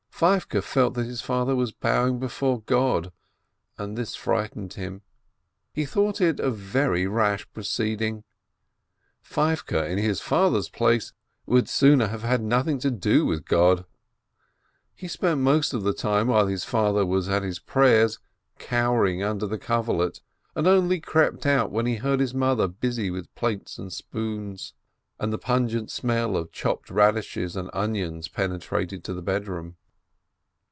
Feivke felt that his father was bowing before God, and this frightened him. He thought it a very rash proceeding. Feivke, in his father's place, would sooner have had nothing to do with G od. He spent most of the time while his father was at his prayers cowering under the coverlet, and only crept out when he heard his mother busy with plates and spoons, and the pungent smell of chopped radishes and onions pene trated to the bedroom.